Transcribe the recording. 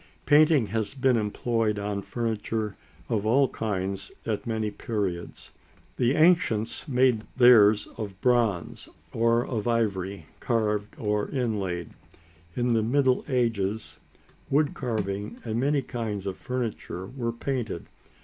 Painting has been employed on furniture of all kinds at many periods. The ancients made theirs of bronze, or of ivory, carved or inlaid. In the Middle Ages wood carving and many kinds of furniture were painted.